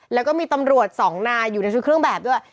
แล้วก็มีตำรวจสองนายอยู่ในชุดเครื่องแบบด้วย